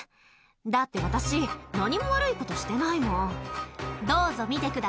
だって、私、何も悪いことしてないもん。